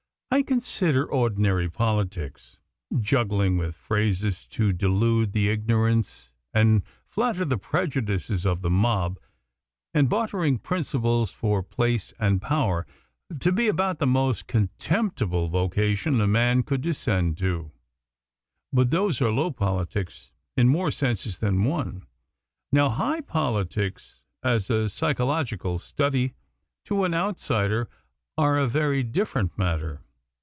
"I consider ordinary politics juggling with phrases to delude the ignorance and flatter the prejudices of the mob, and bartering principles for place and power to be about the most contemptible vocation a man can descend to, but those are low politics in more senses than one. Now high politics, as a psychological study, to an outsider are a very different matter.